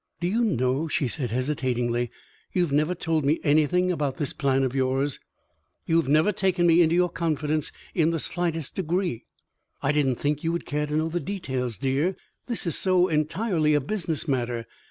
"Do you know," she said, hesitatingly, "you have never told me anything about this plan of yours? You have never takes me into your confidence in the slightest degree." "I didn't think you would care to know the details, dear. This is so entirely a business matter.